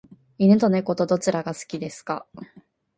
犬と猫とどちらが好きですか？